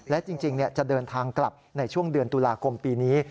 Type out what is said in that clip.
และจริงจะเดินทางกลับในช่วงเดือนตุลาคมปีนี้